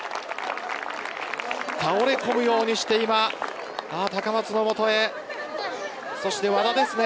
倒れ込むようにして今高松の元へそして和田です。